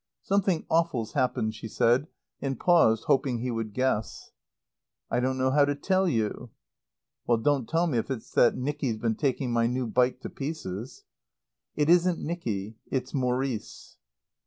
"Something awful's happened," she said, and paused hoping he would guess. "I don't know how to tell you." "Don't tell me if it's that Nicky's been taking my new bike to pieces." "It isn't Nicky It's Maurice."